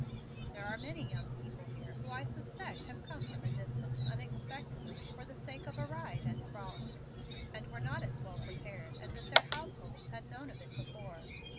There are many young people here who I suspect have come from a distance, unexpectedly, for the sake of a ride and frolic, and were not as well prepared as if their households had known of it before.